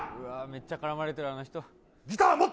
わー、めっちゃ絡まれてるあの人。